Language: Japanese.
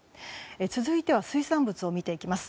続いては水産物を見ていきます。